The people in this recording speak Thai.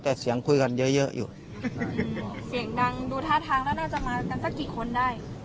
แต่เสียงคุยกันเยอะเยอะอยู่เสียงดังดูท่าทางแล้วน่าจะมากันสักกี่คนได้